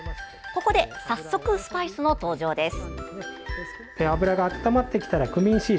ここで早速スパイスの登場です。